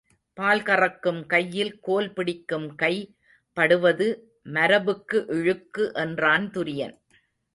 பால் கறக்கும் கையில் கோல் பிடிக்கும் கை படுவது மரபுக்கு இழுக்கு என்றான் துரியன்.